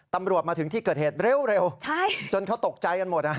ตำรวจมาถึงที่เกิดเหตุเร็วจนเขาตกใจกันหมด